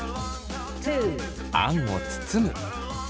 あんを包む。